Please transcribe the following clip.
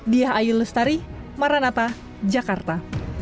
diah ayu lestari maranata jakarta